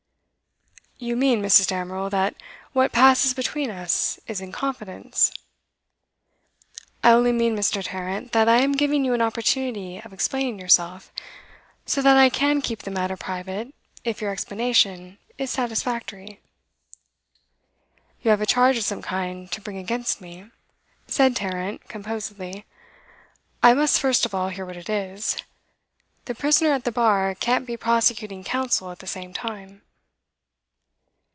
'You mean, Mrs. Damerel, that what passes between us is in confidence?' 'I only mean, Mr. Tarrant, that I am giving you an opportunity of explaining yourself so that I can keep the matter private if your explanation is satisfactory.' 'You have a charge of some kind to bring against me,' said Tarrant composedly. 'I must first of all hear what it is. The prisoner at the bar can't be prosecuting counsel at the same time.